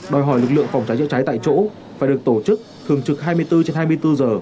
đòi hỏi lực lượng phòng cháy chữa cháy tại chỗ phải được tổ chức thường trực hai mươi bốn trên hai mươi bốn giờ